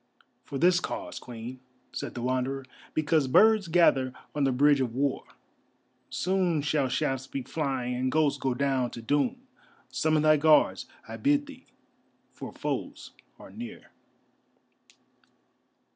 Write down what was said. "For this cause, Queen," said the Wanderer; "because birds gather on the Bridge of War. Soon shall shafts be flying and ghosts go down to doom. Summon thy Guards, I bid thee, for foes are near."